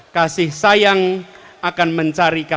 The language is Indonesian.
kasih sayang akan mencari kasih sayang